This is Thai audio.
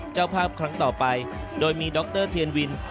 เจ้าภาพครั้งต่อไปโดยมีดรเทียนวิน